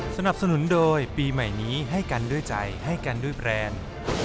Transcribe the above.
สนับสนุนโดยปีใหม่นี้ให้กันด้วยใจให้กันด้วยแบรนด์